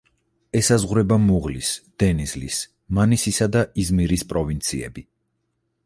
ესაზღვრება მუღლის, დენიზლის, მანისისა და იზმირის პროვინციები.